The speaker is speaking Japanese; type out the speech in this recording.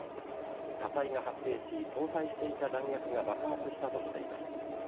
火災が発生し搭載していた弾薬が爆発したとしています。